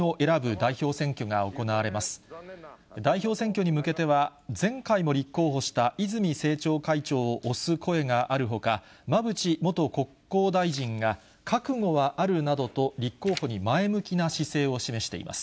代表選挙に向けては、前回も立候補した泉政調会長を推す声があるほか、馬淵元国交大臣が覚悟はあるなどと、立候補に前向きな姿勢を示しています。